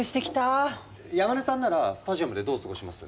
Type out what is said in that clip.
山根さんならスタジアムでどう過ごします？